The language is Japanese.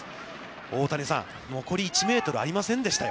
大谷さん、残り１メートルありませんでしたよ。